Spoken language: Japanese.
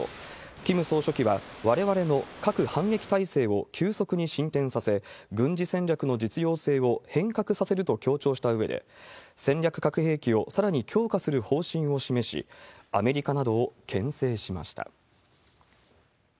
キム総書記は、われわれの核反撃態勢を急速に進展させ、軍事戦略の実用性を変革させると強調したうえで、戦略核兵器をさらに強化する方針を示し、アメリカなどをけん制しました。